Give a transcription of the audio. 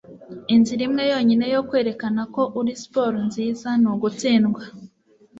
Inzira imwe yonyine yo kwerekana ko uri sport nziza ni ugutsindwa.” -